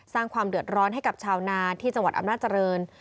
สร้างความเดือดร้อนให้กับชาวนาที่จังหวัดอำนาจริง